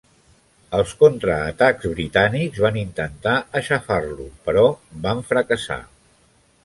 Els contraatacs britànics van intentar aixafar-lo però van fracassar.